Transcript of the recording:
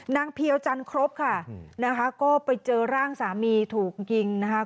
นางเพียวจันทร์ครบค่ะก็ไปเจอร่างสามีถูกกิงนะคะ